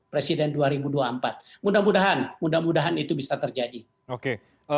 presiden dua ribu dua puluh empat mudah mudahan mudah mudahan itu bisa terjadi oke